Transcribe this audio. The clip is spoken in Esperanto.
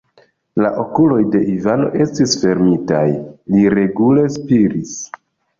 La okuloj de Ivano estis fermitaj, li regule spiris.